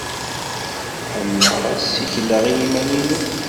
Ḥemmleɣ ad ssikleɣ i yiman-inu.